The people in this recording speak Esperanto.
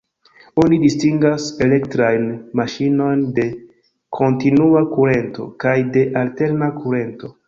Oni distingas elektrajn maŝinojn de kontinua kurento kaj de alterna kurento.